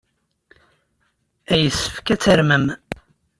Yessefk ad tarmem.